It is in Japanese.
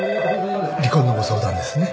離婚のご相談ですねはい。